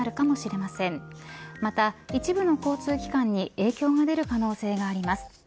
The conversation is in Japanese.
また、一部の交通機関に影響が出る可能性があります。